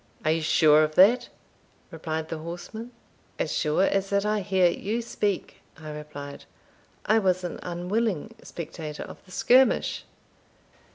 "Are you sure of that?" replied the horseman. "As sure as that I hear you speak," I replied. "I was an unwilling spectator of the skirmish."